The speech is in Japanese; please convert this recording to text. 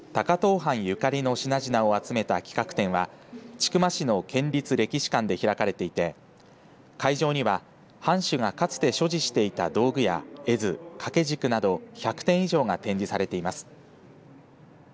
藩ゆかりの品々を集めた企画展は千曲市の県立歴史館で開かれていて会場には藩主がかつて所持していた道具や絵図掛け軸など１００点以上が展示されています。